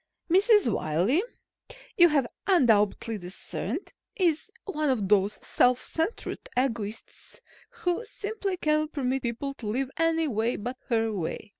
Mrs. Wiley, you have undoubtedly discerned, is one of those self centered egotists who simply cannot permit people to live any way but her way.